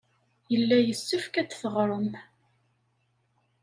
Yella yessefk ad d-teɣrem.